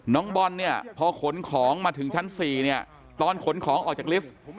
น้องบอลเนี่ยพอขนของมาถึงชั้น๔เนี่ยตอนขนของออกจากลิฟท์